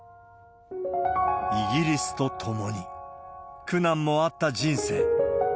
イギリスと共に、苦難もあった人生。